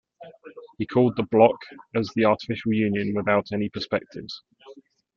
He called the "block as the artificial union without any perspectives".